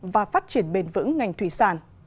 và phát triển bền vững ngành thủy sản